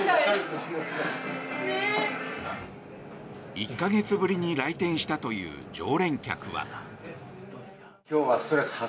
１か月ぶりに来店したという常連客は。